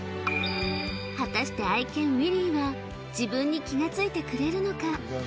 果たして愛犬ウィリは自分に気がついてくれるのか